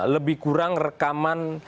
lebih kurang rekaman